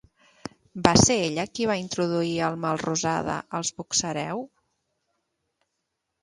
Va ser ella qui va introduir el Melrosada als Buxareu?